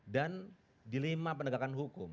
dan dilema pendegakan hukum